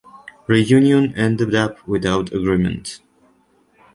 Reunion ended up without agreement.